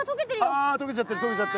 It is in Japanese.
あ溶けちゃってる溶けちゃってる！